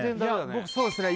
僕そうですね